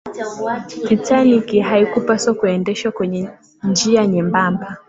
titanic haikupaswa kuendeshwa kwenye njia nyembamba